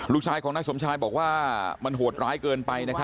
ลูกชายของนายสมชายบอกว่ามันโหดร้ายเกินไป